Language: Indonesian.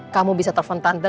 kamu bisa telepon tante